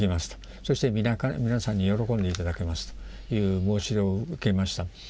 「そして皆さんに喜んで頂けます」という申し出を受けました。